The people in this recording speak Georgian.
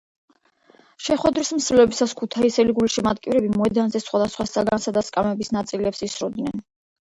შეხვედრის მსვლელობისას ქუთაისელი გულშემატკივრები მოედანზე სხვადასხვა საგანსა და სკამების ნაწილებს ისროდნენ.